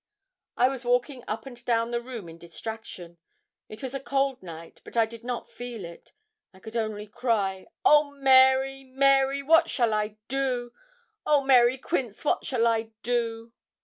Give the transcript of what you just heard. I was walking up and down the room in distraction. It was a cool night; but I did not feel it. I could only cry: 'Oh, Mary, Mary! what shall I do? Oh, Mary Quince! what shall I do?'